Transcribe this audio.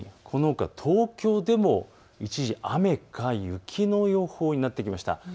このほか東京でも一時、雨か雪の予報になってきました。